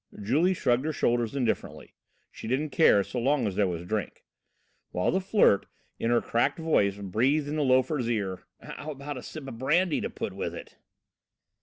Julie shrugged her shoulders indifferently; she didn't care so long as there was drink, while the Flirt, in her cracked voice, breathed in the loafer's ear: "How about a sip of brandy to put with it?"